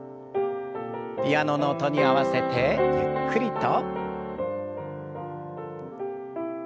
ピアノの音に合わせてゆっくりと。